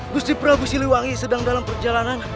gusti prabu siliwangi sedang dalam perjalanan